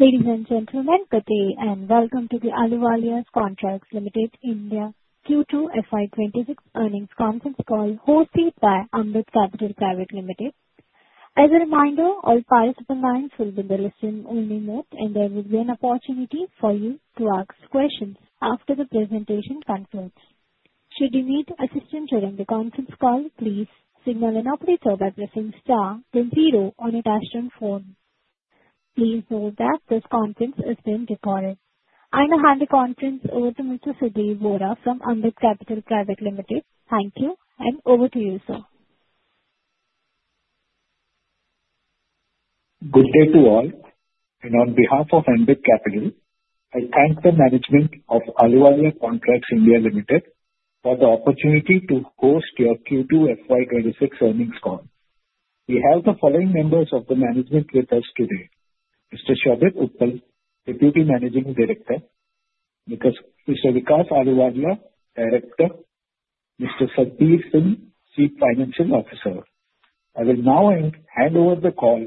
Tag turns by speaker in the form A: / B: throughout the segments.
A: Ladies and gentlemen, good day and welcome to the Ahluwalia Contracts (India) Q2 FY26 earnings conference call hosted by Ambit Capital Private Limited. As a reminder, all participants will be in listen-only mode, and there will be an opportunity for you to ask questions after the presentation concludes. Should you need assistance during the conference call, please signal an operator by pressing star then zero on your touchtone phone. Please note that this conference is being recorded. I now hand the conference over to Mr. Sudhir Vohra from Ambit Capital Private Limited. Thank you, and over to you, sir.
B: Good day to all. On behalf of Ambit Capital, I thank the management of Ahluwalia Contracts (India) Limited for the opportunity to host your Q2 FY26 earnings call. We have the following members of the management with us today: Mr. Shobhit Uppal, Deputy Managing Director. Mr. Vikas Ahluwalia, Director. Mr. Sandeep Singh, Chief Financial Officer. I will now hand over the call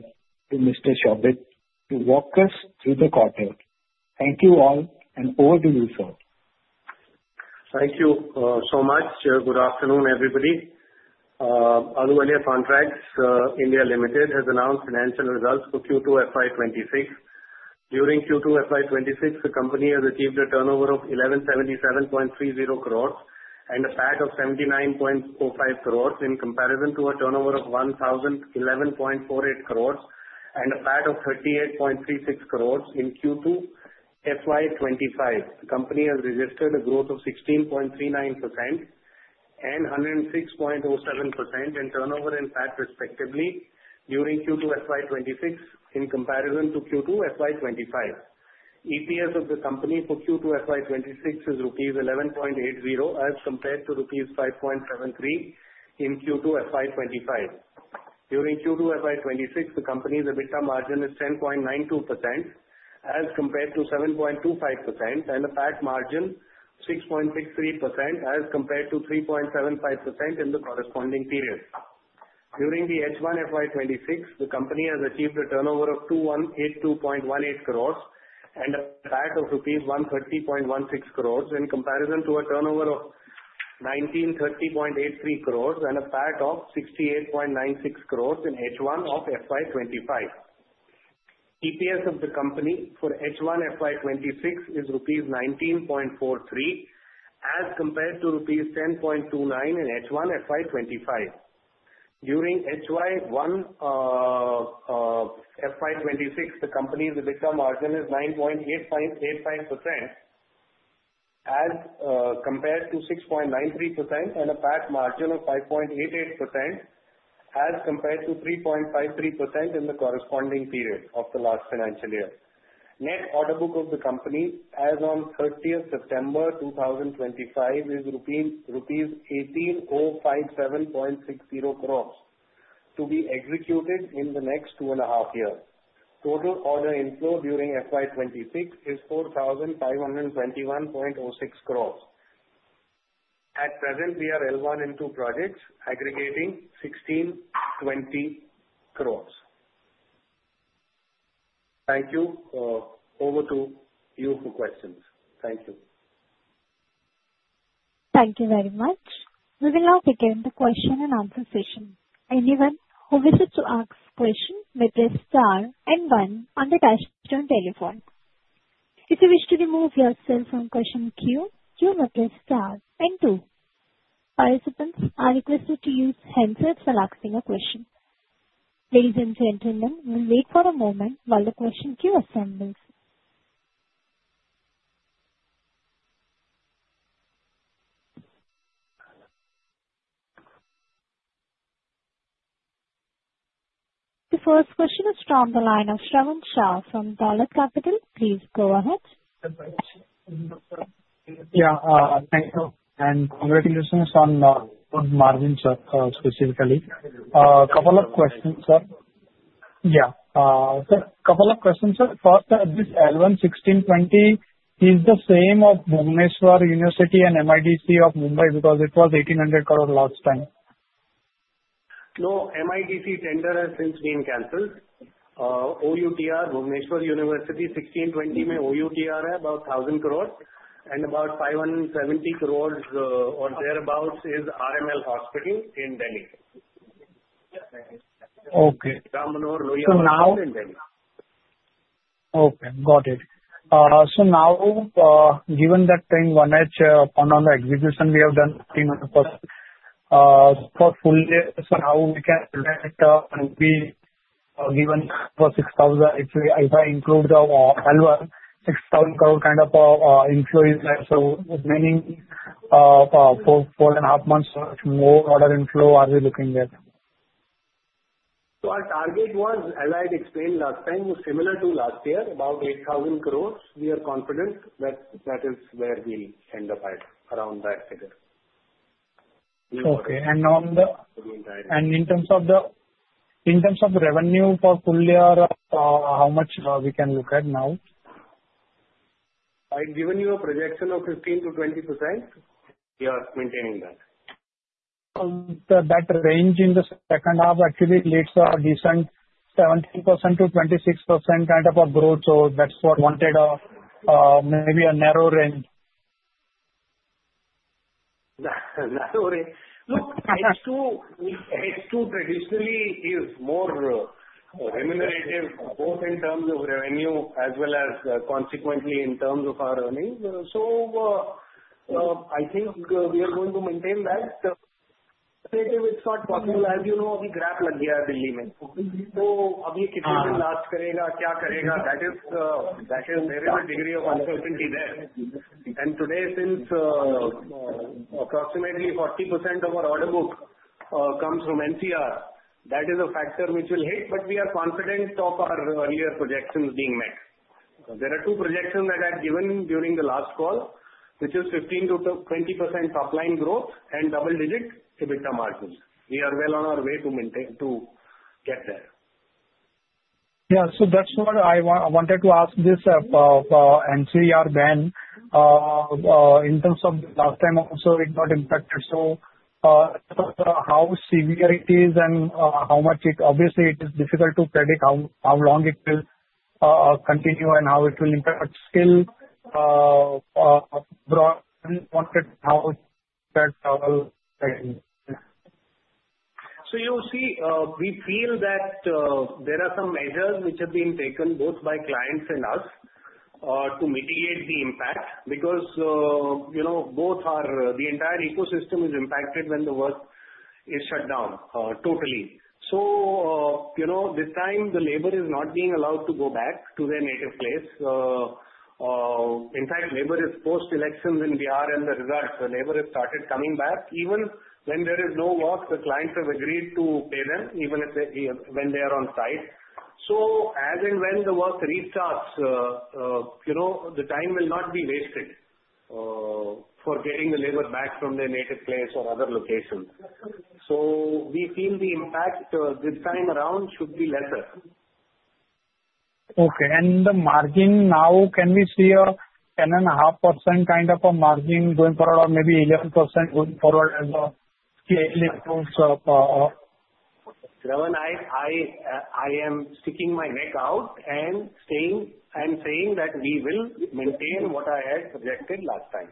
B: to Mr. Shobhit to walk us through the quarter. Thank you all, and over to you, sir.
C: Thank you so much. Good afternoon, everybody. Ahluwalia Contracts (India) Limited has announced financial results for Q2 FY26. During Q2 FY26, the company has achieved a turnover of 1,177.30 crores and a PAT of 79.05 crores in comparison to a turnover of 1,011.48 crores and a PAT of 38.36 crores in Q2 FY25. The company has registered a growth of 16.39% and 106.07% in turnover and PAT, respectively, during Q2 FY26 in comparison to Q2 FY25. EPS of the company for Q2 FY26 is rupees 11.80 as compared to rupees 5.73 in Q2 FY25. During Q2 FY26, the company's EBITDA margin is 10.92% as compared to 7.25%, and the PAT margin is 6.63% as compared to 3.75% in the corresponding period. During the H1 FY26, the company has achieved a turnover of 2,182.18 crores and a PAT of INR. 130.16 crores in comparison to a turnover of 1,930.83 crores and a PAT of 68.96 crores in H1 of FY25. EPS of the company for H1 FY26 is rupees 19.43 as compared to rupees 10.29 in H1 FY25. During H1 FY26, the company's EBITDA margin is 9.85% as compared to 6.93%, and a PAT margin of 5.88% as compared to 3.53% in the corresponding period of the last financial year. Net order book of the company as of 30 September 2025 is INR 1,805.60 crores to be executed in the next two and a half years. Total order inflow during FY26 is 4,521.06 crores. At present, we are L1 and 2 projects aggregating 1,620 crores. Thank you. Over to you for questions. Thank you.
A: Thank you very much. We will now begin the question and answer session. Anyone who wishes to ask a question may press star and one on the dashboard on telephone. If you wish to remove yourself from question queue, you may press star and two. Participants are requested to use handsets while asking a question. Ladies and gentlemen, we'll wait for a moment while the question queue assembles. The first question is from the line of Shravan Shah from Dolat Capital. Please go ahead.
D: Yeah, thank you. Congratulations on the good margins, specifically. A couple of questions, sir. First, this L1 1620, is the same as Bhubaneswar University and MIDC of Mumbai because it was 1,800 crores last time?
C: No, MIDC tender has since been canceled. OUTR Bhubaneswar University about 1,000 crores and about 570 crores or thereabouts is RML Hospital in Delhi.
D: Okay.
C: Ram Manohar Lohia Hospital in Delhi.
D: Okay, got it. So now, given that 1H upon the execution we have done for full, so now we can let be given for 6,000 if I include the L1, 6,000 crores kind of inflow is there. So remaining four and a half months, more order inflow are we looking at?
C: Our target was, as I explained last time, similar to last year, about 8,000 crores. We are confident that that is where we'll end up at around that figure.
D: Okay. And in terms of the revenue for fully, how much we can look at now?
C: I've given you a projection of 15%-20%. Yeah, maintaining that. That range in the second half actually leads to a decent 17%-26% kind of a growth.
D: So that's what we wanted maybe a narrow range.
C: Narrow range. Look, H2 traditionally is more remunerative both in terms of revenue as well as consequently in terms of our earnings. So I think we are going to maintain that. It's not possible, as you know, GRAP lag gaya hai Delhi mein. To abhi kitne din last karega, kya karega, that is there is a degree of uncertainty there. And today, since approximately 40% of our order book comes from NCR, that is a factor which will hit, but we are confident of our earlier projections being met. There are two projections that I've given during the last call, which is 15%-20% top line growth and double-digit EBITDA margins. We are well on our way to get there.
D: Yeah, so that's what I wanted to ask about this NCR ban in terms of last time also it got impacted. So how severe it is and how much it obviously it is difficult to predict how long it will continue and how it will impact still?
C: So you see, we feel that there are some measures which have been taken both by clients and us to mitigate the impact because both, the entire ecosystem is impacted when the work is shut down totally. So this time, the labor is not being allowed to go back to their native place. In fact, labor, post-elections in Bihar and UP reserves. The labor has started coming back. Even when there is no work, the clients have agreed to pay them even when they are on site. So as and when the work restarts, the time will not be wasted for getting the labor back from their native place or other locations. So we feel the impact this time around should be lesser.
D: Okay. And the margin now, can we see a 10.5% kind of a margin going forward or maybe 11% going forward as a scale?
C: Shravan, I am sticking my neck out and saying that we will maintain what I had projected last time.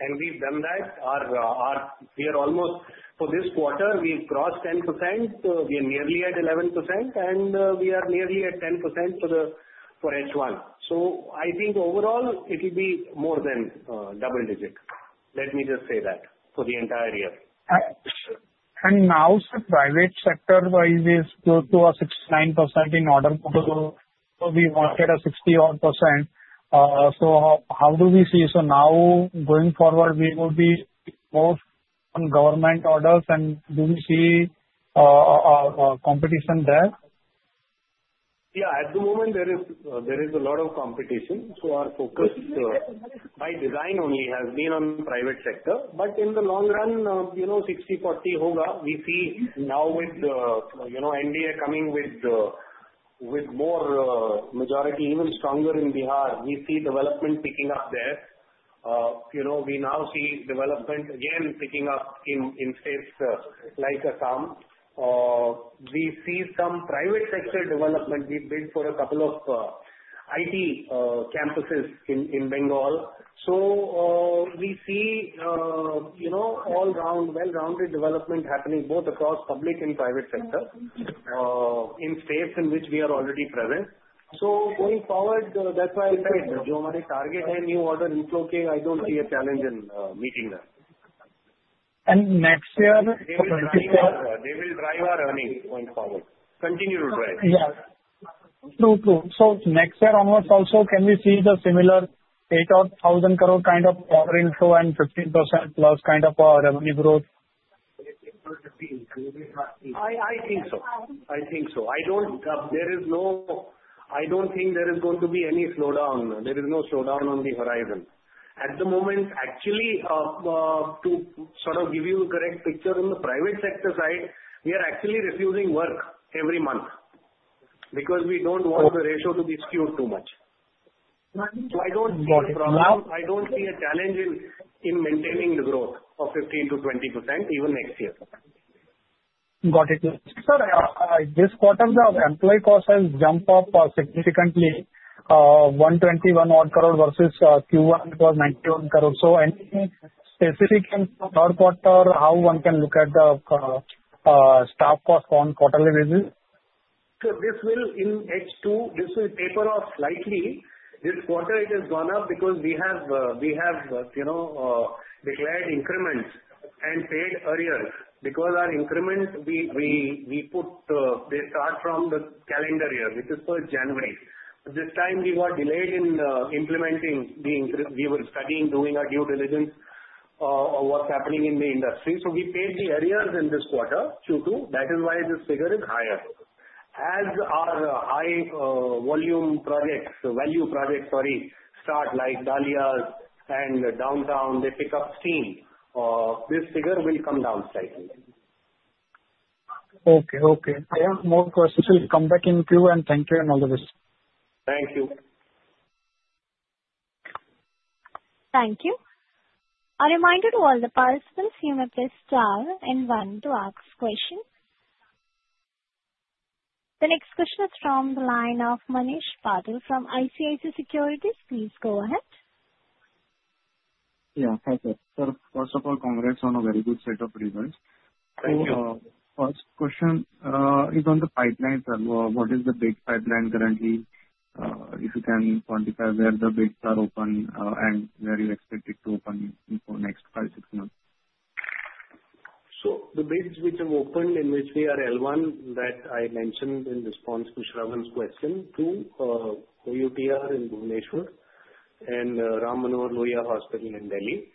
C: And we've done that. We are almost for this quarter, we've crossed 10%. We are nearly at 11%, and we are nearly at 10% for H1. So I think overall, it will be more than double-digit. Let me just say that for the entire year.
D: And now, so private sector-wise, we go to a 69% in order book. So we wanted a 60-odd%. So how do we see? So now, going forward, we will be more on government orders, and do we see competition there?
C: Yeah, at the moment, there is a lot of competition, so our focus by design only has been on private sector, but in the long run, 60-40. We see now with NDA coming with more majority, even stronger in Bihar, we see development picking up there. We now see development again picking up in states like Assam. We see some private sector development. We built for a couple of IT campuses in Bengal, so we see all-round, well-rounded development happening both across public and private sector in states in which we are already present, so going forward, that's why I said that your target and new order inflow goal, I don't see a challenge in meeting that.
D: And next year,
C: they will drive our earnings going forward. Continue to drive.
D: Yeah. True, true. So next year almost also, can we see the similar 800 or 1,000 crore kind of order inflow and 15% plus kind of revenue growth?
C: I think so. I think so. There is no. I don't think there is going to be any slowdown. There is no slowdown on the horizon. At the moment, actually, to sort of give you the correct picture on the private sector side, we are actually refusing work every month because we don't want the ratio to be skewed too much. So I don't see a challenge in maintaining the growth of 15%-20% even next year.
D: Got it. Sir, this quarter, the employee cost has jumped up significantly, 121 crore versus Q1, it was 91 crore. So any specific in third quarter, how one can look at the staff cost on quarterly basis?
C: This will in H2 taper off slightly. This quarter, it has gone up because we have declared increments and paid earlier. Because our increment, we put the start from the calendar year, which is for January. This time, we were delayed in implementing. We were studying, doing our due diligence of what's happening in the industry. So we paid the arrears in this quarter, Q2. That is why this figure is higher. As our high-volume projects, value projects, sorry, start like The Dahlias and Downtown, they pick up steam, this figure will come down slightly.
D: Okay, okay. I have more questions. I'll come back in queue and thank you and all the best.
C: Thank you.
A: Thank you. A reminder to all the participants, you may press star and one to ask questions. The next question is from the line of Nilesh Patil from ICICI Securities. Please go ahead.
E: Yeah, thank you. Sir, first of all, congrats on a very good set of results.
C: Thank you.
D: First question is on the pipelines. What is the big pipeline currently? If you can quantify where the bids are open and where you expect it to open for next five, six months?
C: So the bids which have opened in which we are L1, that I mentioned in response to Shravan's question, to OUTR in Bhubaneswar and Ram Manohar Lohia Hospital in Delhi.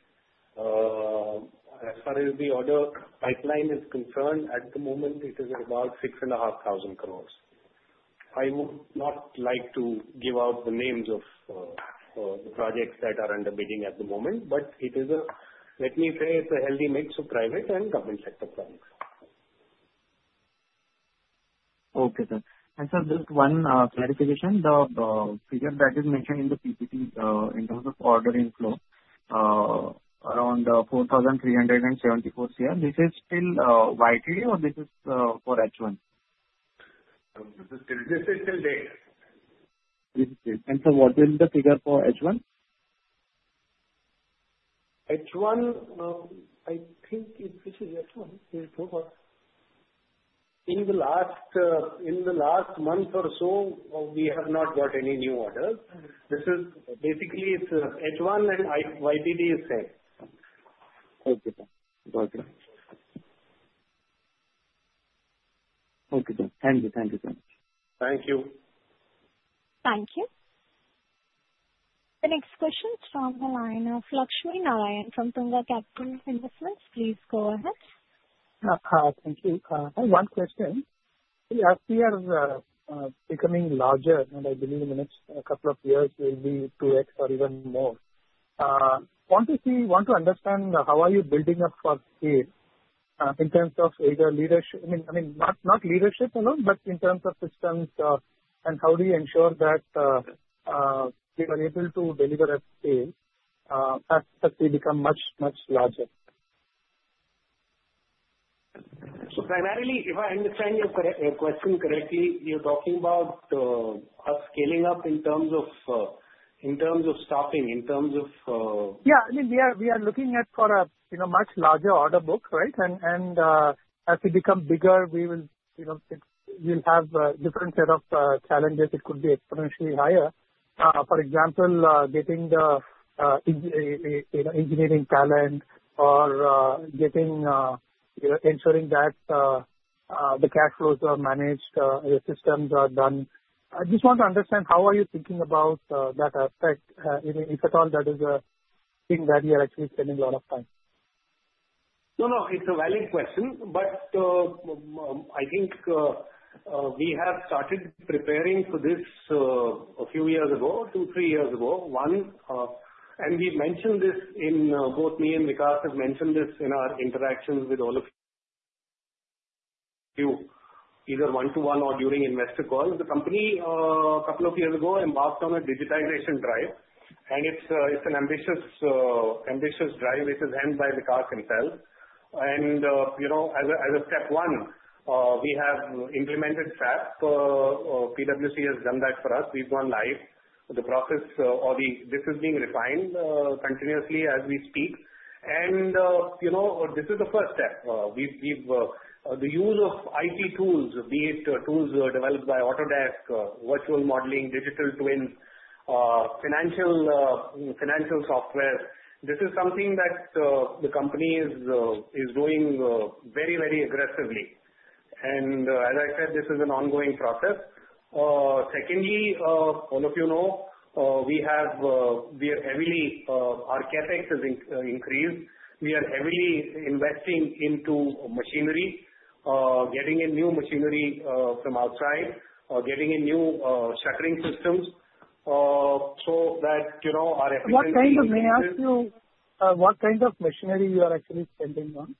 C: As far as the order pipeline is concerned, at the moment, it is about 6,500 crores. I would not like to give out the names of the projects that are under bidding at the moment, but it is a, let me say, it's a healthy mix of private and government sector projects.
D: Okay, sir. And sir, just one clarification. The figure that is mentioned in the PPT in terms of order inflow around 4,374 CR, this is still YT or this is for H1?
C: This is still data.
D: This is data. And sir, what will the figure for H1?
C: H1, I think. If this is H1, in the last month or so, we have not got any new orders. This is basically H1 and YTD is same.
D: Okay, sir. Got it. Okay, sir. Thank you. Thank you so much.
C: Thank you.
A: Thank you. The next question is from the line of Lakshminarayan from Tunga Capital Investments. Please go ahead.
D: Thank you. I have one question. As we are becoming larger, and I believe in the next couple of years, we'll be 2X or even more, want to understand how are you building up for scale in terms of either leadership, I mean, not leadership alone, but in terms of systems, and how do you ensure that we are able to deliver at scale as we become much, much larger?
C: So primarily, if I understand your question correctly, you're talking about us scaling up in terms of stopping, in terms of.
D: Yeah, I mean, we are looking at for a much larger order book, right? And as we become bigger, we will have a different set of challenges. It could be exponentially higher. For example, getting the engineering talent or, ensuring that the cash flows are managed, the systems are done. I just want to understand how are you thinking about that aspect, if at all, that is a thing that you are actually spending a lot of time?
C: No, no, it's a valid question, but I think we have started preparing for this a few years ago, two, three years ago, one. And we mentioned this in both me and Vikas have mentioned this in our interactions with all of you, either one-to-one or during investor calls. The company, a couple of years ago, embarked on a digitization drive, and it's an ambitious drive, which is handled by Vikas himself. And as a step one, we have implemented SAP. PwC has done that for us. We've gone live. The process, this is being refined continuously as we speak. And this is the first step. The use of IT tools, be it tools developed by Autodesk, virtual modeling, digital twins, financial software, this is something that the company is doing very, very aggressively. And as I said, this is an ongoing process. Secondly, all of you know, we have heavily our CapEx has increased. We are heavily investing into machinery, getting in new machinery from outside, getting in new shuttering systems so that our efficiency.
D: May I ask you, what kind of machinery you are actually spending on?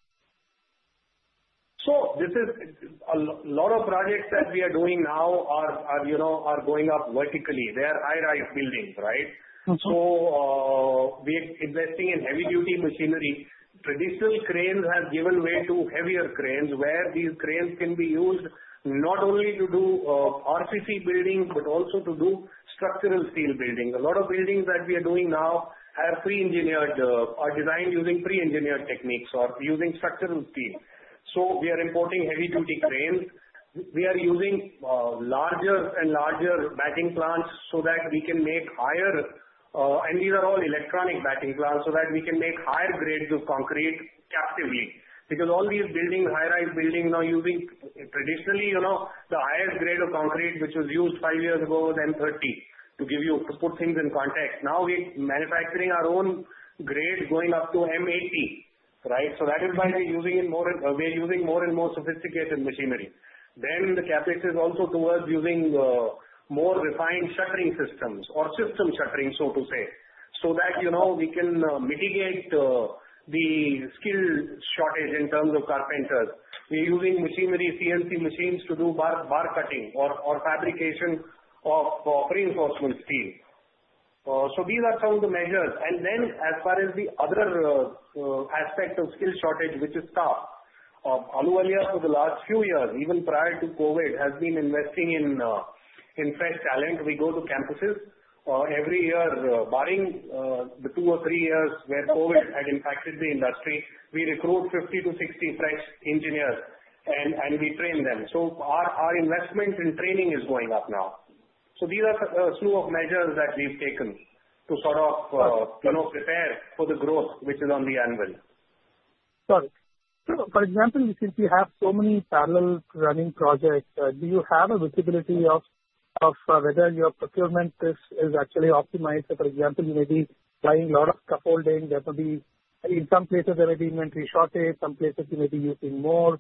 C: So this is a lot of projects that we are doing now are going up vertically. They are high-rise buildings, right? So we are investing in heavy-duty machinery. Traditional cranes have given way to heavier cranes where these cranes can be used not only to do RCC building, but also to do structural steel building. A lot of buildings that we are doing now are designed using pre-engineered techniques or using structural steel. So we are importing heavy-duty cranes. We are using larger and larger batching plants so that we can make higher, and these are all electronic batching plants so that we can make higher grades of concrete captively. Because all these buildings, high-rise buildings, are using traditionally the highest grade of concrete, which was used five years ago, M30, to give you to put things in context. Now we're manufacturing our own grade going up to M80, right? So that is why we're using more and more sophisticated machinery. Then the CapEx is also towards using more refined shuttering systems or system shuttering, so to say, so that we can mitigate the skill shortage in terms of carpenters. We're using machinery, CNC machines to do bar cutting or fabrication of reinforcement steel. So these are some of the measures. And then as far as the other aspect of skill shortage, which is staff, Ahluwalia, for the last few years, even prior to COVID, has been investing in fresh talent. We go to campuses every year, barring the two or three years where COVID had impacted the industry, we recruit 50 to 60 fresh engineers and we train them. So our investment in training is going up now. So these are a slew of measures that we've taken to sort of prepare for the growth, which is on the anvil.
D: Got it. For example, since we have so many parallel running projects, do you have a visibility of whether your procurement is actually optimized? For example, you may be buying a lot of scaffolding. There may be, in some places, there may be inventory shortage. Some places, you may be using more.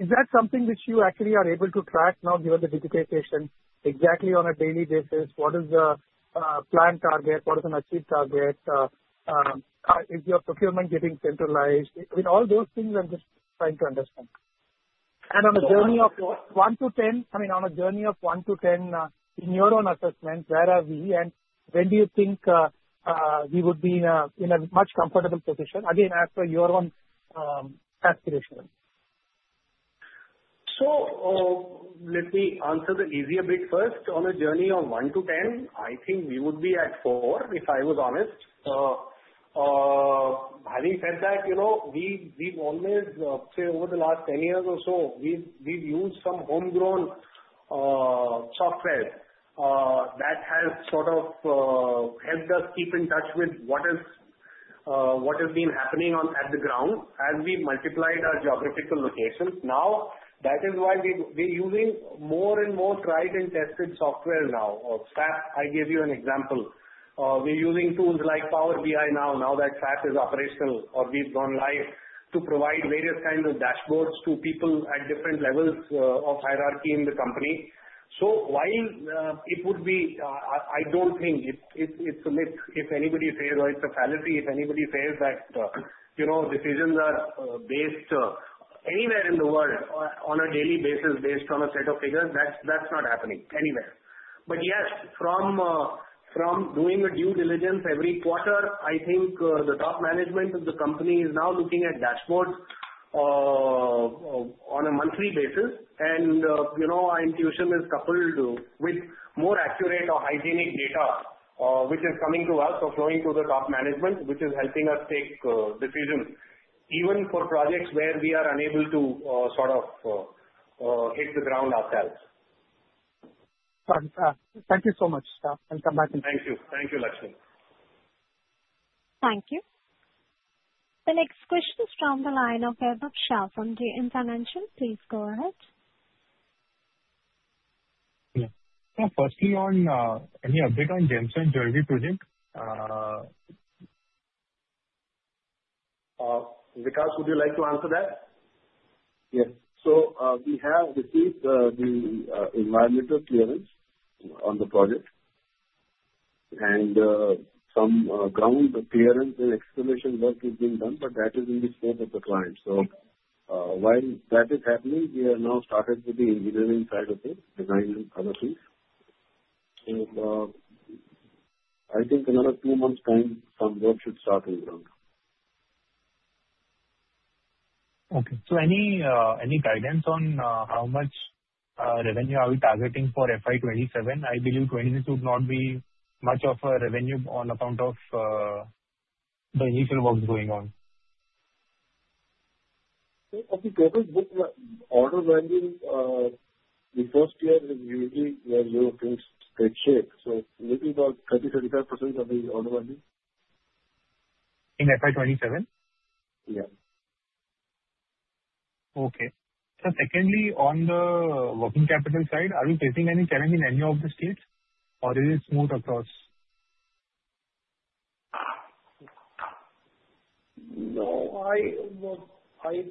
D: Is that something which you actually are able to track now, given the digitization, exactly on a daily basis? What is the planned target? What is an achieved target? Is your procurement getting centralized? I mean, all those things I'm just trying to understand. And on a journey of 1 to 10, I mean, on a journey of 1 to 10, in your own assessment, where are we, and when do you think we would be in a much comfortable position? Again, as per your own aspiration.
C: So let me answer the easier bit first. On a journey of 1 to 10, I think we would be at 4, if I was honest. Having said that, we've always, say, over the last 10 years or so, we've used some homegrown software that has sort of helped us keep in touch with what has been happening at the ground as we multiplied our geographical locations. Now, that is why we're using more and more tried and tested software now. SAP, I gave you an example. We're using tools like Power BI now, now that SAP is operational or we've gone live to provide various kinds of dashboards to people at different levels of hierarchy in the company. So while it would be, I don't think it's a myth if anybody says, or it's a fallacy if anybody says that decisions are based anywhere in the world on a daily basis based on a set of figures, that's not happening anywhere. But yes, from doing a due diligence every quarter, I think the top management of the company is now looking at dashboards on a monthly basis. And our intuition is coupled with more accurate or hygienic data, which is coming to us or flowing to the top management, which is helping us take decisions, even for projects where we are unable to sort of hit the ground ourselves.
F: Thank you so much. I'll come back and.
C: Thank you. Thank you, Lakshmi.
A: Thank you. The next question is from the line of Vaibhav Shah from JM Financial. Please go ahead.
G: Yeah. Firstly, on, I mean, a bit on Gems and Jewellery project.
C: Vikas, would you like to answer that?
H: Yes. So we have received the environmental clearance on the project, and some ground clearance and excavation work has been done, but that is in the scope of the client. So while that is happening, we have now started with the engineering side of it, design and other things. So I think in another two months' time, some work should start on the ground.
G: Okay. Any guidance on how much revenue are we targeting for FY27? I believe FY26 should not be much of a revenue on account of the initial works going on.
C: I think order value the first year is usually where you're in straight shape. So maybe about 30%-35% of the order value.
G: In FY27?
D: Yeah.
G: Okay. So secondly, on the working capital side, are we facing any challenge in any of the states, or is it smooth across?
C: No, I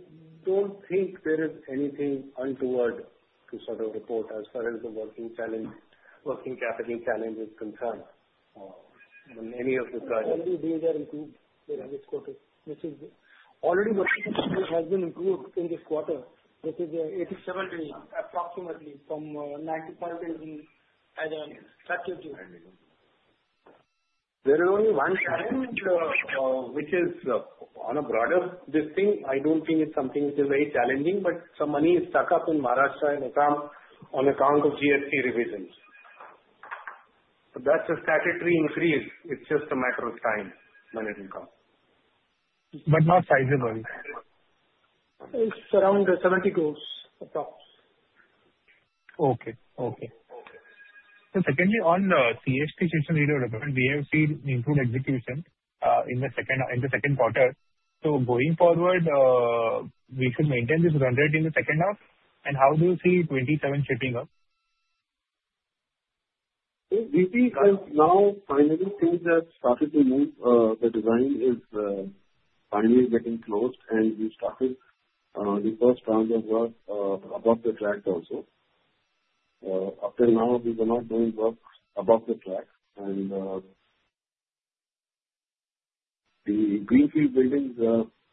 C: don't think there is anything untoward to sort of report as far as the working capital challenge is concerned in any of the projects.
G: When do you believe they are improved in this quarter? Already, working capital has been improved in this quarter. This is 87 billion, approximately, from 95 billion as of September.
C: There is only one challenge which is on a broader thing. I don't think it's something which is very challenging, but some money is stuck up in Maharashtra and Assam on account of GST revisions. But that's a statutory increase. It's just a matter of time when it will come.
G: But not sizable?
C: It's around 70 crores approx.
G: Okay. Okay. Secondly, on the CSMT system redevelopment, we have seen improved execution in the second quarter. So going forward, we should maintain this run rate in the second half. And how do you see 2027 shaping up?
C: We see as now finally things have started to move. The design is finally getting closed, and we started the first round of work above the track also. Up till now, we were not doing work above the track. And the greenfield buildings,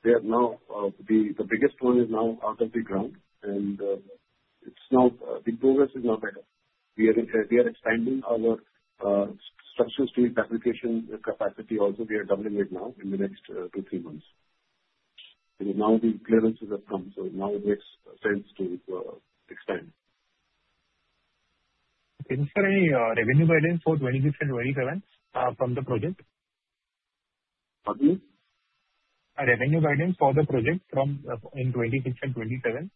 C: they are now the biggest one is now out of the ground, and it's now the progress is now better. We are expanding our structural steel fabrication capacity also. We are doubling it now in the next two, three months. Because now the clearances have come, so now it makes sense to expand.
G: Is there any revenue guidance for 2027 from the project?
C: Pardon me?
G: Any revenue guidance for the project in 2027?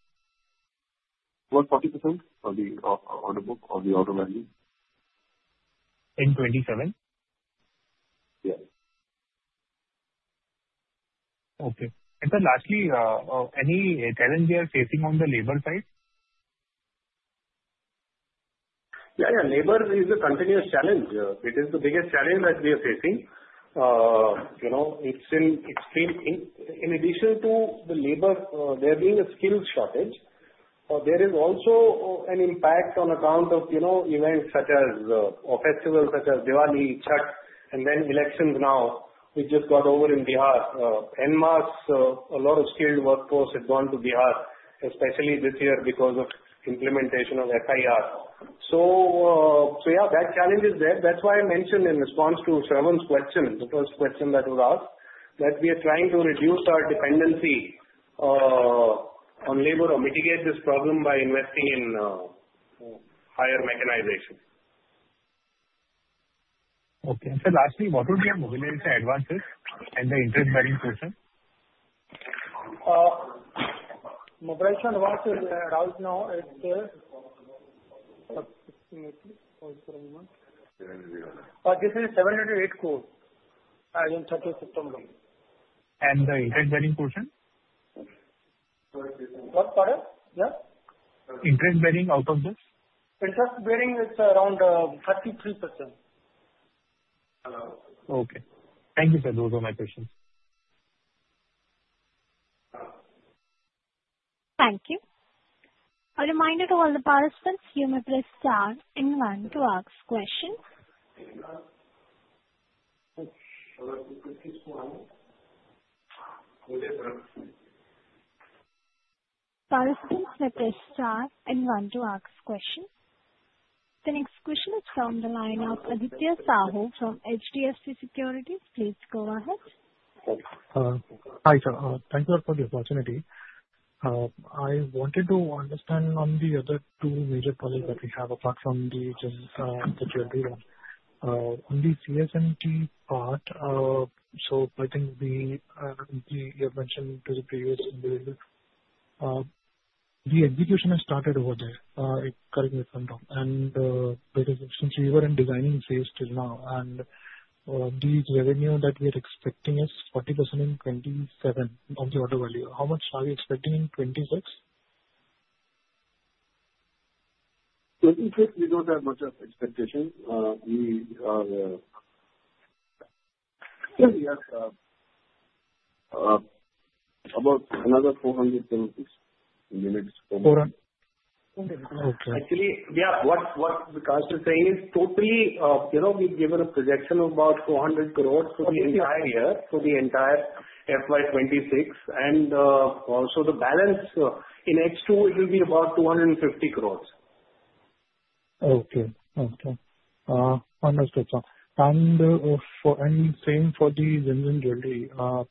C: About 40% of the order book or the order value.
G: In 2027?
C: Yes.
G: Okay. And then lastly, any challenge we are facing on the labor side?
C: Yeah, yeah. Labor is a continuous challenge. It is the biggest challenge that we are facing. It's still extreme. In addition to the labor, there being a skill shortage, there is also an impact on account of events such as festivals such as Diwali, Chhat, and then elections now. We just got over in Bihar. En masse, a lot of skilled workforce had gone to Bihar, especially this year because of implementation of FR. So yeah, that challenge is there. That's why I mentioned in response to Shravan's question, the first question that was asked, that we are trying to reduce our dependency on labor or mitigate this problem by investing in higher mechanization.
G: Okay. And so lastly, what would be your mobilization advances and the interest-bearing portion?
C: Mobilization advances are out now. It's 784.
G: This is 784 as in 30 September. And the interest-bearing portion?
C: What? Pardon?
G: Yeah. Interest-bearing out of this?
C: Interest-bearing is around 33%.
G: Okay. Thank you, sir. Those are my questions.
A: Thank you. A reminder to all the participants, you may press star and one to ask questions. The next question is from the line of Aditya Sahu from HDFC Securities. Please go ahead.
I: Hi, sir. Thank you for the opportunity. I wanted to understand on the other two major projects that we have apart from the Gems and Jewellery that you are doing. On the CSMT part, so I think you have mentioned to the previous individual, the execution has started over there. Correct me if I'm wrong, and since we were in designing phase till now, and the revenue that we are expecting is 40% in 2027 of the order value. How much are we expecting in 2026?
H: 2026, we don't have much of expectation. We have about another INR 400 crores in units over.
I: 400? Okay.
C: Actually, yeah, what Vikas is saying is totally, we've given a projection of about 400 crores for the entire year, for the entire FY26, and so the balance in Q2, it will be about 250 crores.
I: Okay. Okay. Understood, sir. And same for the Gems and Jewellery, 30%-35%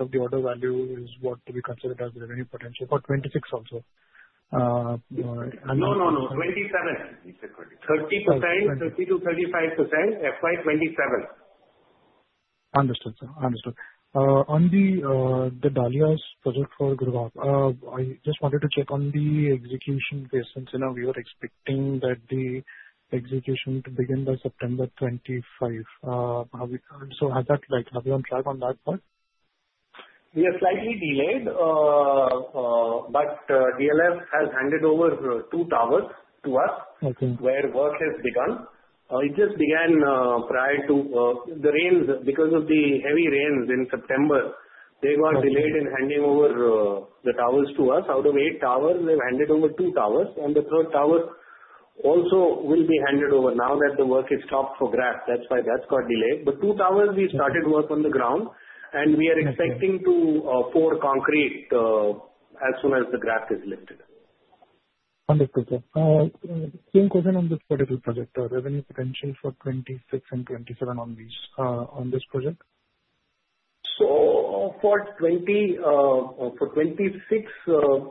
I: of the order value is what we considered as revenue potential for 2026 also.
C: No, no, no. 2027. He said 2027. 30%, 30%-35%, FY27.
I: Understood, sir. Understood. On the Dahlias project for Gurugram, I just wanted to check on the execution phase. Since we were expecting that the execution to begin by September 25, so has that like, have you on track on that part?
C: We are slightly delayed, but DLF has handed over two towers to us where work has begun. It just began prior to the rains. Because of the heavy rains in September, they got delayed in handing over the towers to us. Out of eight towers, they've handed over two towers, and the third tower also will be handed over now that the work is stopped for GRAP. That's why that's got delayed. But two towers, we started work on the ground, and we are expecting to pour concrete as soon as the GRAP is lifted.
I: Understood, sir. Same question on this particular project. Revenue potential for 2026 and 2027 on this project?
C: So for 2026,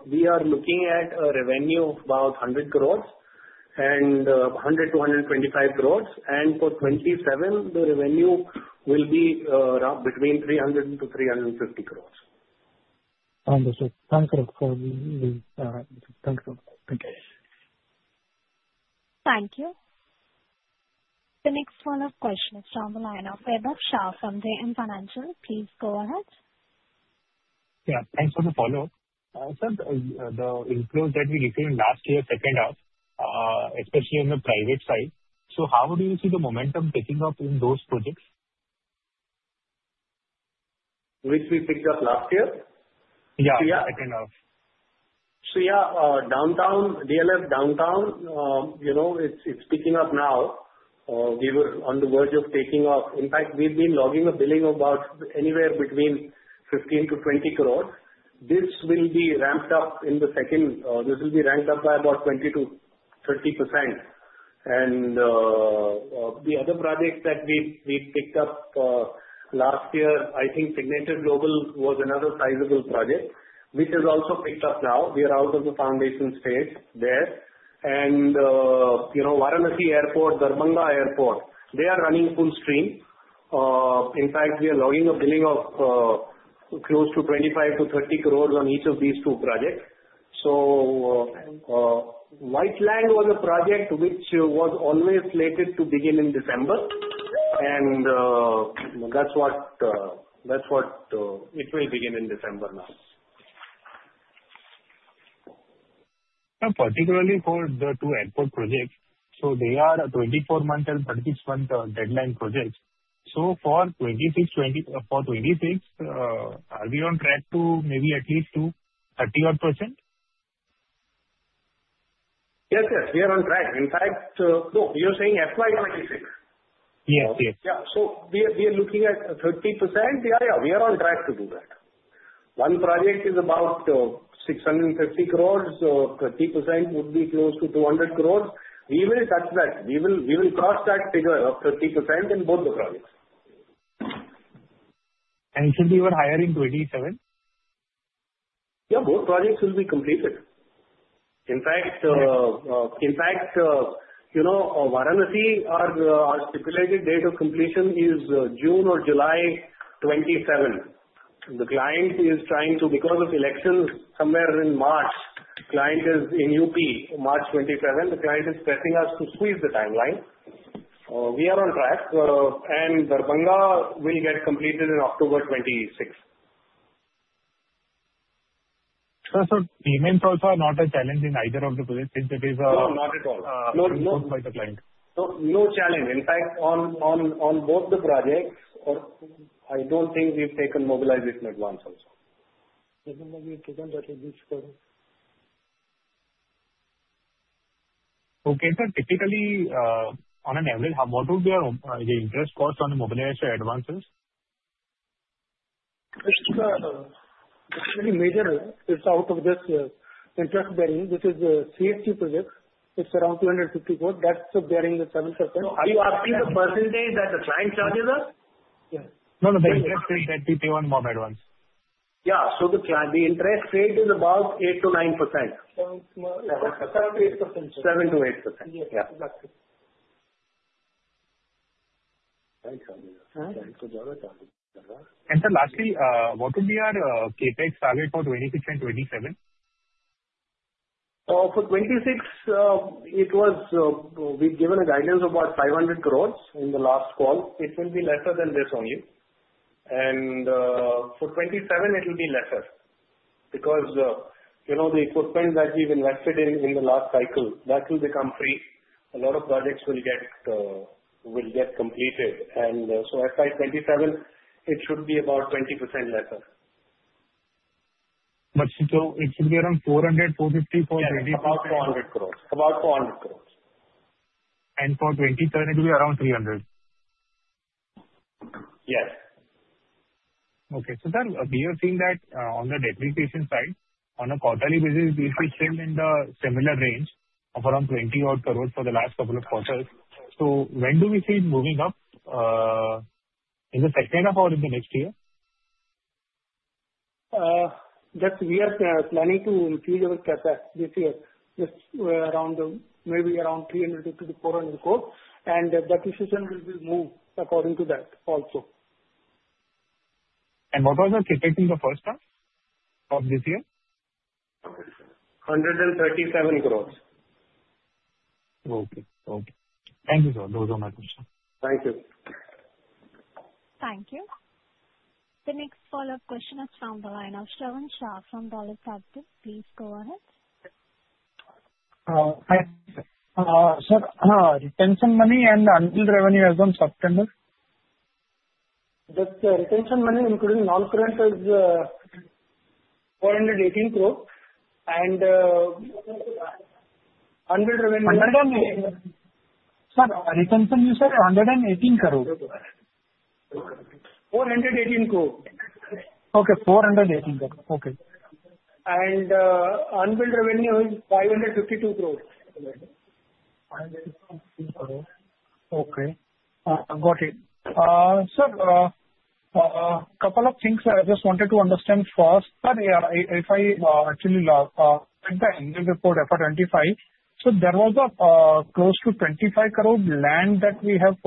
C: we are looking at a revenue of about 100 crores and 100-125 crores. And for 2027, the revenue will be between 300-350 crores.
I: Understood. Thank you for the thank you.
A: Thank you. The next follow-up question is from the line of Vaibhav Shah from JM Financial. Please go ahead.
G: Yeah. Thanks for the follow-up. Sir, the inflows that we received last year, second half, especially on the private side. So how do you see the momentum picking up in those projects? Which we picked up last year?
C: Yeah. Second half. So yeah, Downtown, DLF Downtown, it's picking up now. We were on the verge of taking off. In fact, we've been logging a billing of about anywhere between 15-20 crores. This will be ramped up in the second. This will be ramped up by about 20%-30%. And the other project that we picked up last year, I think Signature Global was another sizable project, which has also picked up now. We are out of the foundation stage there. And Varanasi Airport, Darbhanga Airport, they are running full stream. In fact, we are logging a billing of close to 25-30 crores on each of these two projects. So Whiteland was a project which was always slated to begin in December, and that's what it will begin in December now.
G: And particularly for the two airport projects, so they are a 24-month and 36-month deadline projects. So for 2026, are we on track to maybe at least to 30-odd%?
C: Yes, yes. We are on track. In fact, no, you're saying FY26?
G: Yes.
C: Yeah. So we are looking at 30%. Yeah, yeah. We are on track to do that. One project is about 650 crores. 30% would be close to 200 crores. We will touch that. We will cross that figure of 30% in both the projects.
G: Should we be hiring 2027?
C: Yeah. Both projects will be completed. In fact, Varanasi, our stipulated date of completion is June or July 2027. The client is trying to, because of elections somewhere in March, client is in UP March 2027. The client is pressing us to squeeze the timeline. We are on track, and Darbhanga will get completed in October 2026.
G: Sir, so the Moonsoons are not a challenge in either of the projects since it is a.
C: No, not at all.
G: Not by the client.
C: No challenge. In fact, on both the projects, I don't think we've taken mobilization advance also.
G: Okay. Sir, typically, on an average, what would be the interest cost on the mobilization advances?
C: It's very major. It's out of this interest-bearing. This is the CHT project. It's around 250 crores. That's bearing the 7%.
G: Are you asking the percentage that the client charges us?
C: No, no.
G: The interest rate that we pay on mobilization advance.
C: Yeah, so the interest rate is about 8%-9%.
G: 7%-8%.
C: 7%-8%. Yeah. Exactly.
G: Sir, lastly, what would be our CapEx target for 2026 and 2027?
C: For 2026, we've given a guidance of about 500 crores in the last call. It will be lesser than this only. For 2027, it will be lesser because the equipment that we've invested in the last cycle, that will become free. A lot of projects will get completed. So FY27, it should be about 20% lesser.
G: But it should be around 400-450 crores for 2026?
C: Yes. About 400 crores. About 400 crores.
D: For 2027, it will be around 300 crores?
C: Yes.
G: Okay. So sir, we are seeing that on the depreciation side, on a quarterly basis, we've been seeing in the similar range of around 20-odd crores for the last couple of quarters. So when do we see it moving up? In the second half or in the next year?
C: We are planning to increase our CapEx this year, around maybe 300-400 crores. And the depreciation will be moved according to that also.
G: What was the CapEx in the first half of this year?
C: 137 crores.
G: Okay. Okay. Thank you, sir. Those are my questions.
C: Thank you.
A: Thank you. The next follow-up question is from the line of Shravan Shah from Dolat Capital. Please go ahead.
D: Hi, sir. Sir, retention money and unbilled revenue as of September?
C: The retention money including non-current is 418 crores, and unbilled revenue.
D: Sir, retention you said 118 crores?
C: 418 crores.
D: Okay. 418 crores. Okay. Unbilled revenue is 552 crores. Okay. Got it. Sir, a couple of things I just wanted to understand first. Sir, if I actually look at the annual report FY25, so there was close to 25 crores land that we have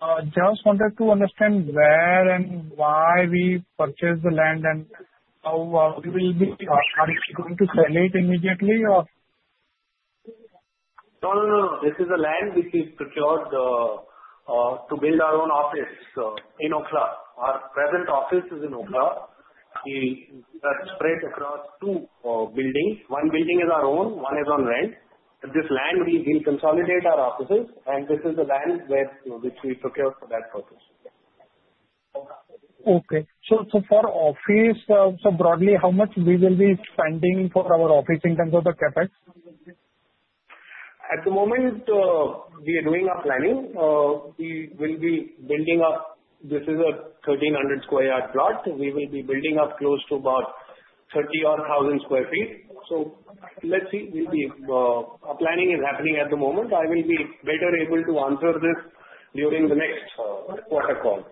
D: purchased. Just wanted to understand where and why we purchased the land and how we will be going to sell it immediately or?
C: No, no, no. This is the land which we've procured to build our own office in Okhla. Our present office is in Okhla. We have spread across two buildings. One building is our own. One is on rent. This land, we will consolidate our offices, and this is the land which we procured for that purpose.
D: Okay. So for office, so broadly, how much we will be spending for our office in terms of the CapEx?
C: At the moment, we are doing our planning. We will be building up. This is a 1,300 sq yd plot. We will be building up close to about 30-odd thousand sq ft. So let's see. Our planning is happening at the moment. I will be better able to answer this during the next quarter call.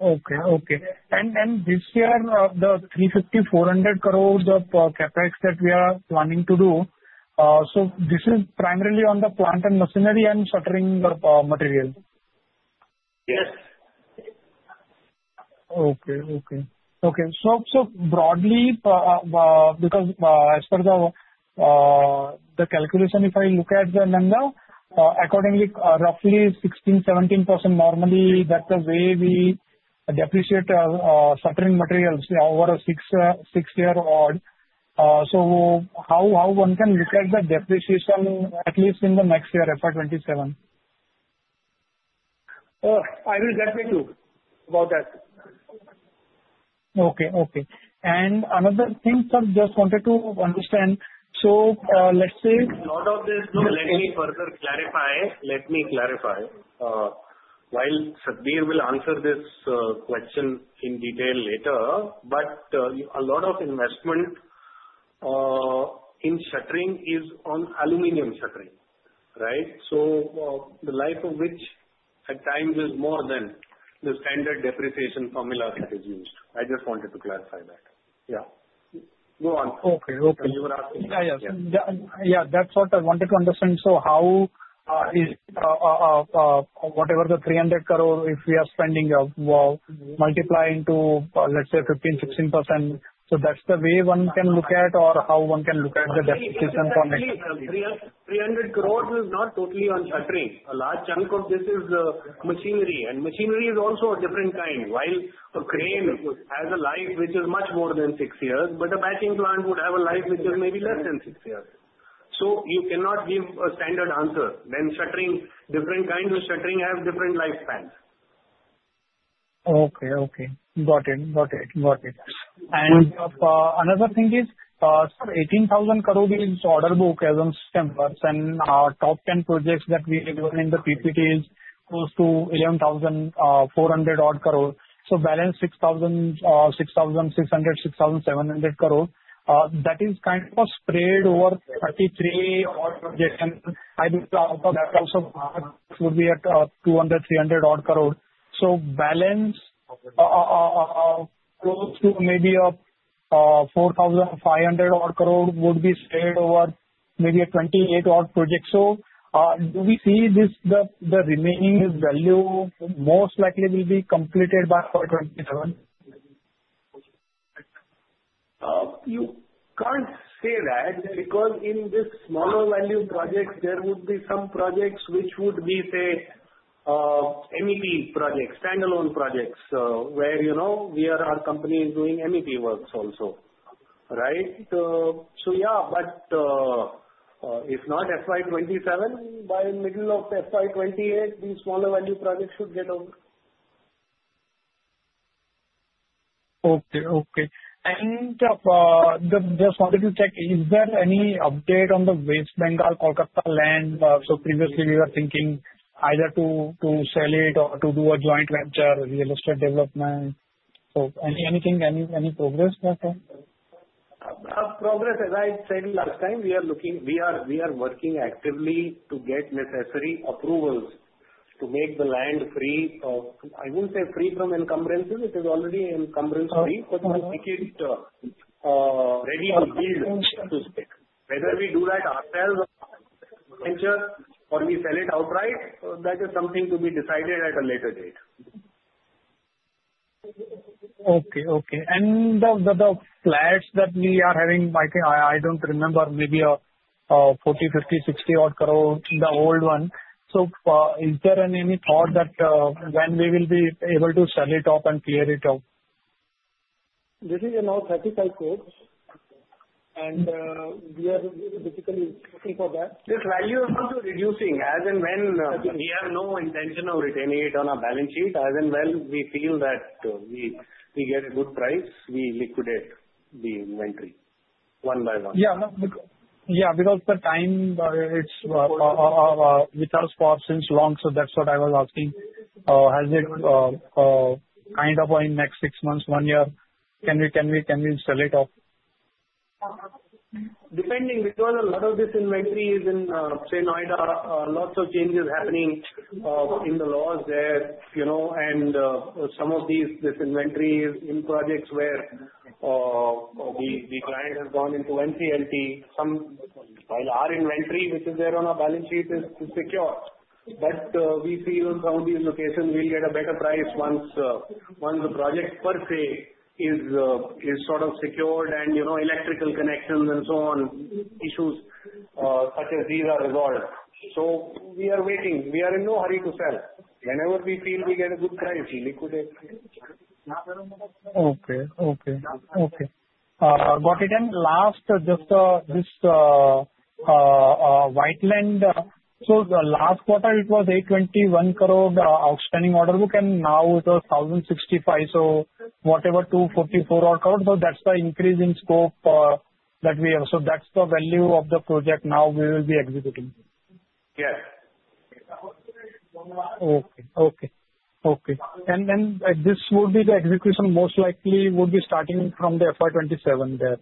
D: Okay. And this year, the 350-400 crores of CapEx that we are planning to do, so this is primarily on the plant and machinery and shuttering material?
C: Yes.
D: Okay. So broadly, because as per the calculation, if I look at the number, accordingly, roughly 16-17% normally, that's the way we depreciate our shuttering materials over a six-year odd. So how one can look at the depreciation, at least in the next year, FY27?
C: I will get with you about that.
D: Okay. Okay. And another thing, sir, just wanted to understand. So let's say.
C: A lot of this. Let me further clarify. Let me clarify. While Sudhir will answer this question in detail later, but a lot of investment in shuttering is on aluminum shuttering, right? So the life of which at times is more than the standard depreciation formula that is used. I just wanted to clarify that. Yeah. Go on.
D: Okay. Okay.
C: You were asking.
D: That's what I wanted to understand. So how is whatever the 300 crores, if we are spending, multiplying to, let's say, 15%-16%? So that's the way one can look at or how one can look at the depreciation for next year?
C: 300 crores is not totally on shuttering. A large chunk of this is machinery. And machinery is also a different kind. While a crane has a life which is much more than six years, but a batching plant would have a life which is maybe less than six years. So you cannot give a standard answer. Then shuttering, different kinds of shuttering have different lifespans.
D: Okay. Got it. And another thing is, sir, 18,000 crores is order book as of September. And our top 10 projects that we have done in the PPT is close to 11,400-odd crores. So balance 6,600-6,700 crores. That is kind of spread over 33-odd projects. And I believe that also would be at 200-300-odd crores. So balance close to maybe 4,500-odd crores would be spread over maybe 28-odd projects. So do we see the remaining value most likely will be completed by FY27?
C: You can't say that because in this smaller value projects, there would be some projects which would be, say, MEP projects, standalone projects, where we are our company is doing MEP works also, right? So yeah. But if not FY27, by middle of FY28, these smaller value projects should get over.
D: Okay. Okay. And just wanted to check, is there any update on the West Bengal-Kolkata land? So previously, we were thinking either to sell it or to do a joint venture, real estate development. So anything, any progress there?
C: Progress, as I said last time, we are working actively to get necessary approvals to make the land free. I wouldn't say free from encumbrances. It is already encumbrance-free, but we make it ready to build, so to speak. Whether we do that ourselves or venture or we sell it outright, that is something to be decided at a later date.
D: Okay. Okay. And the flats that we are having, I don't remember, maybe 40, 50, 60-odd crores, the old one. So is there any thought that when we will be able to sell it off and clear it out?
C: This is now 35 crores, and we are basically looking for that. This value is also reducing as and when we have no intention of retaining it on our balance sheet. As and when we feel that we get a good price, we liquidate the inventory one by one.
D: Yeah. Yeah. Because the time, which has passed since long, so that's what I was asking. Has it kind of in next six months, one year, can we sell it off?
C: Depending because a lot of this inventory is in, say, Noida, lots of changes happening in the laws there, and some of this inventory is in projects where the client has gone into NCLT. Some, while our inventory, which is there on our balance sheet, is secure, but we feel on some of these locations, we'll get a better price once the project per se is sort of secured and electrical connections and so on issues such as these are resolved, so we are waiting. We are in no hurry to sell. Whenever we feel we get a good price, we liquidate.
D: Okay. Got it. And last, just this Whiteland. So last quarter, it was 821 crores outstanding order book. And now it was 1,065. So whatever 244-odd crores. So that's the increase in scope that we have. So that's the value of the project now we will be executing.
C: Yes.
D: Okay. And this would be the execution most likely would be starting from the FY27 there.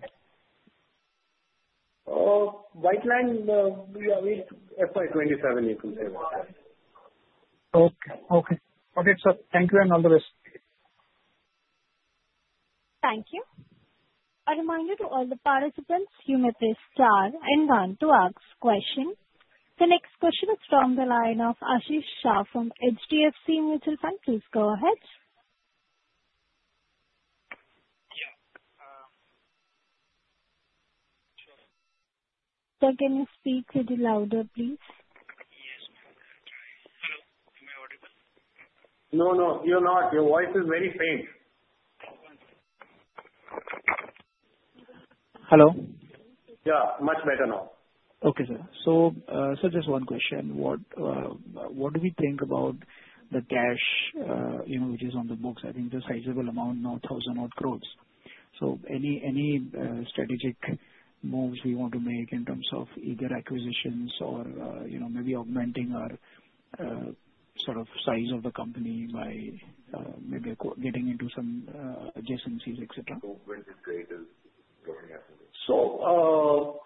C: Whiteland, we are with FY27, you can say.
D: Okay, sir. Thank you and all the best.
A: Thank you. A reminder to all the participants, you may press star and one to ask question. The next question is from the line of Ashish Shah from HDFC Mutual Fund. Please go ahead.
J: Yeah. Sure.
A: Sir, can you speak a little louder, please?
J: Yes. Hello. Am I audible?
C: No, no. You're not. Your voice is very faint.
J: Hello.
C: Yeah. Much better now.
J: Okay, sir. So just one question. What do we think about the cash which is on the books? I think the sizable amount, now 1,000-odd crores. So any strategic moves we want to make in terms of either acquisitions or maybe augmenting our sort of size of the company by maybe getting into some adjacencies, etc.? So when is this data going out?
C: So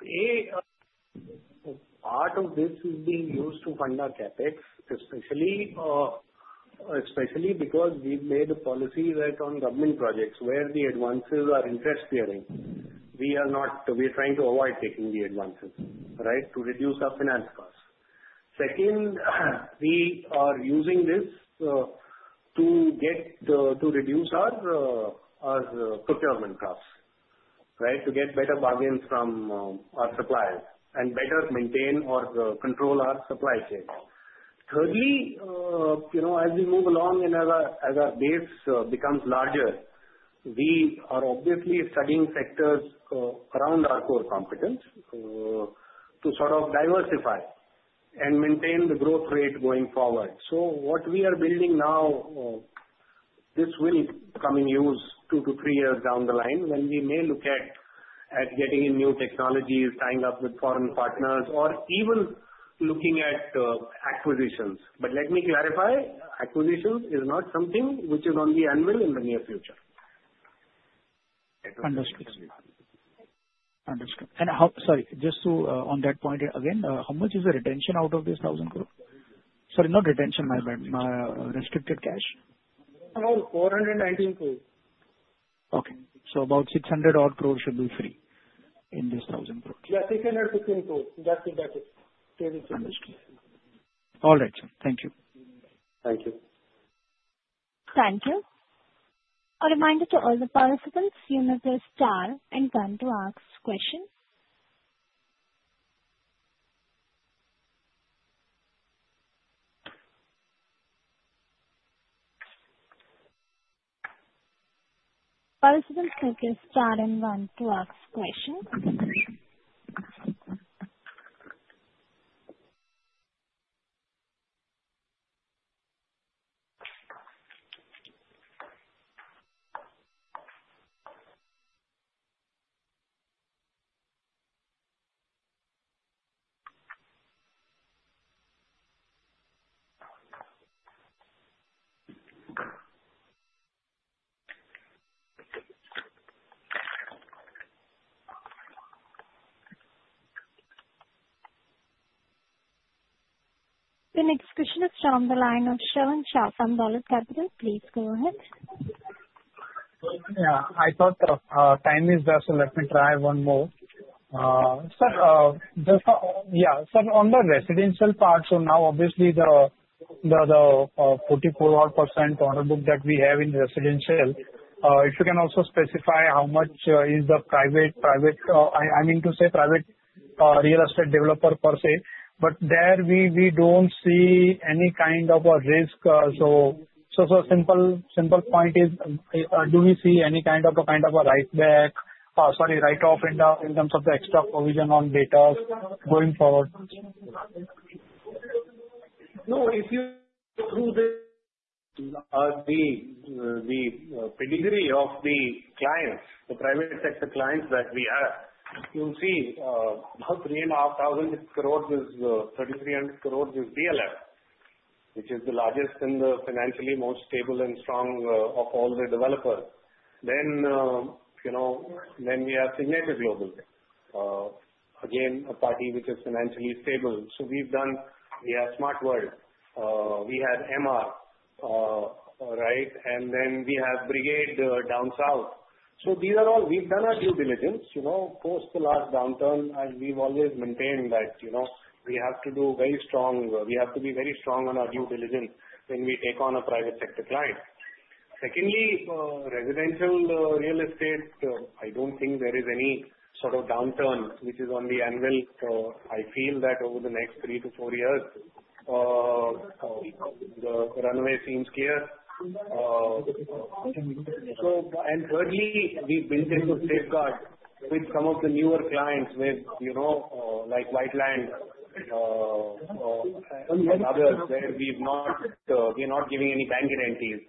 C: part of this is being used to fund our CapEx, especially because we've made a policy that on government projects where the advances are interest-bearing, we are trying to avoid taking the advances, right, to reduce our finance costs. Second, we are using this to reduce our procurement costs, right, to get better bargains from our suppliers and better maintain or control our supply chain. Thirdly, as we move along and as our base becomes larger, we are obviously studying sectors around our core competence to sort of diversify and maintain the growth rate going forward. So what we are building now, this will come in use two-to-three years down the line when we may look at getting in new technologies, tying up with foreign partners, or even looking at acquisitions. But let me clarify, acquisition is not something which is only annual in the near future.
J: Understood. Understood. And sorry, just on that point again, how much is the retention out of this 1,000 crores? Sorry, not retention, my bad. Restricted cash?
C: About 419 crores.
J: Okay. So about Rs. 600-odd crores should be free in this Rs. 1,000 crores?
C: Yeah, 616 crores. That's it. That's it.
J: Understood. All right, sir. Thank you.
C: Thank you.
A: Thank you. A reminder to all the participants, you may press star and one to ask question. Participants, you may press star and one to ask question. The next question is from the line of Shravan Shah from Dolat Capital. Please go ahead.
D: Yeah. I thought time is there, so let me try one more. Sir, yeah. So on the residential part, so now obviously the 44-odd% order book that we have in residential, if you can also specify how much is the private, I mean to say private real estate developer per se. But there we don't see any kind of a risk. So a simple point is, do we see any kind of a write-back, sorry, write-off in terms of the extra provision on debtors going forward?
C: No. If you go through the pedigree of the clients, the private sector clients that we have, you'll see 3.5 thousand crores is 3,300 crores is DLF, which is the largest and the financially most stable and strong of all the developers. Then we have Signature Global, again, a party which is financially stable. So we have Smart World. We have MR, right? And then we have Brigade down south. So we've done our due diligence post the last downturn, and we've always maintained that we have to do very strong. We have to be very strong on our due diligence when we take on a private sector client. Secondly, residential real estate, I don't think there is any sort of downturn which is on the anvil. I feel that over the next three to four years, the runway seems clear. Thirdly, we've been able to safeguard with some of the newer clients like Whiteland and others where we're not giving any bank guarantees.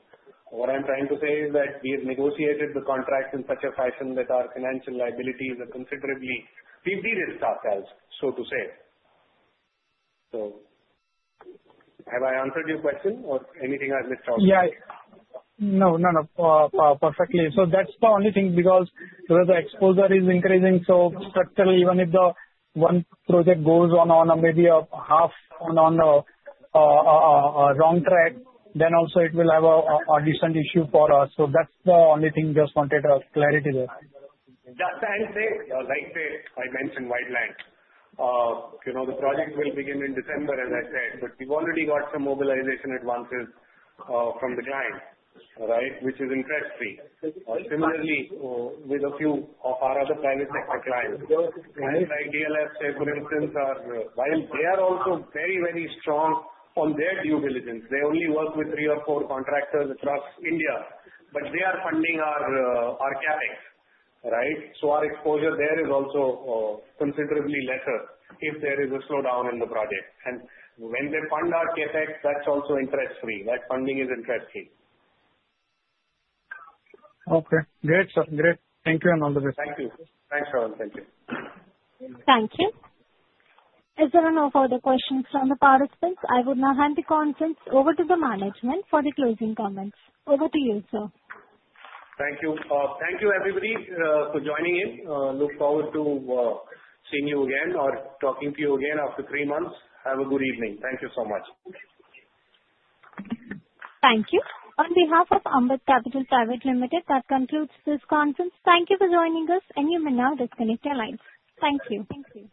C: What I'm trying to say is that we have negotiated the contracts in such a fashion that our financial liabilities are considerably. We've de-risked ourselves, so to say. Have I answered your question or anything I've missed out?
D: Yeah. No, no, no. Perfectly. So that's the only thing because the exposure is increasing. So structurally, even if the one project goes on maybe half on a wrong track, then also it will have a decent issue for us. So that's the only thing. Just wanted clarity there.
C: Just to add, I mentioned Whiteland. The project will begin in December, as I said, but we've already got some mobilization advances from the client, right, which is interest-free. Similarly, with a few of our other private sector clients, and like DLF, say, for instance, while they are also very, very strong on their due diligence, they only work with three or four contractors across India, but they are funding our CapEx, right? So our exposure there is also considerably lesser if there is a slowdown in the project, and when they fund our CapEx, that's also interest-free. That funding is interest-free.
D: Okay. Great, sir. Great. Thank you and all the best.
C: Thank you. Thanks, Shravan. Thank you.
A: Thank you. Is there any further questions from the participants? I would now hand the conference over to the management for the closing comments. Over to you, sir.
C: Thank you. Thank you, everybody, for joining in. Look forward to seeing you again or talking to you again after three months. Have a good evening. Thank you so much.
A: Thank you. On behalf of Amrit Capital Private Limited, that concludes this conference. Thank you for joining us, and you may now disconnect your lines. Thank you. Thank you.